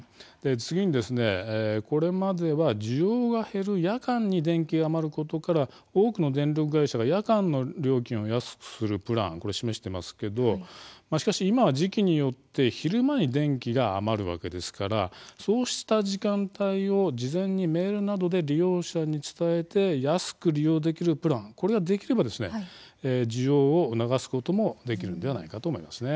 次にこれまでは需要が減る夜間に電気が余ることから多くの電力会社が夜間の料金を安くするプランを示していますけどしかし今は時期によって昼間に電気が余るわけですからそうした時間帯を事前にメールなどで利用者に伝えて安く利用できるプランこれができればですね需要を促すこともできるのではないかと思いますね。